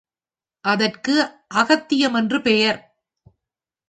அதற்கு அகத்தியம் என்று பெயர்.